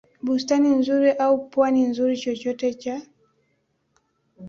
bustani nzuri au pwani nzuri Chochote cha